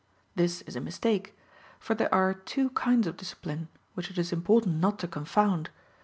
This is a mistake, for there are two kinds of discipline, which it is important not to confound.